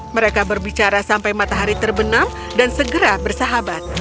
mereka berbicara sampai matahari terbenam dan segera bersahabat